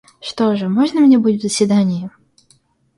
Что же, можно мне быть в заседании?